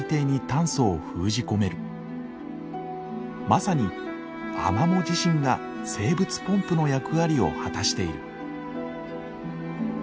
まさにアマモ自身が生物ポンプの役割を果たしている。